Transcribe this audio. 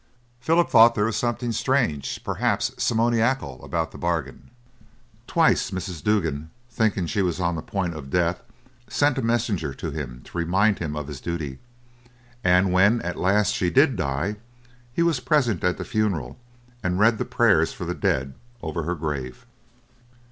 Philip thought there was something strange, perhaps simoniacal, about the bargain. Twice Mrs. Duggan, thinking she was on the point of death, sent a messenger to remind him of his duty; and when at last she did die, he was present at the funeral, and read the prayers for the dead over her grave.